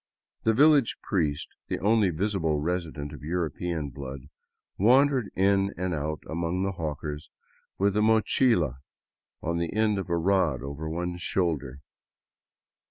The village priest, the only visible resident of European blood, wandered in and out among the hawkers with a mochila on the end of a rod over one shoulder.